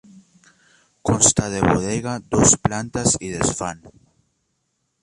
Consta de bodega, dos plantas y desván.